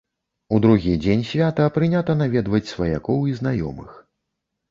У другі дзень святаў прынята наведваць сваякоў і знаёмых.